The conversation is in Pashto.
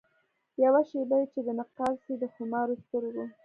یوه شېبه چي دي نقاب سي د خمارو سترګو